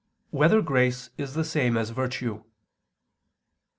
3] Whether Grace Is the Same As Virtue?